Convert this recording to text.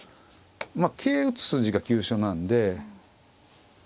桂打つ筋が急所なんで。